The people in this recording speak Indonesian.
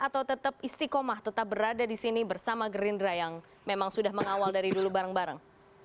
atau tetap istiqomah tetap berada di sini bersama gerindra yang memang sudah mengawal dari dulu bareng bareng